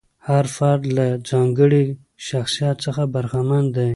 هر فرد له ځانګړي شخصیت څخه برخمن دی.